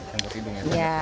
yang buat hidung ya